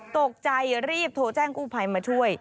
ตกใจรีบโทรแจ้งกู้ภัยมาช่วย